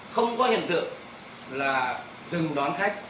không có hiện tượng là dừng đón khách